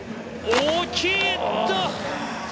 大きい！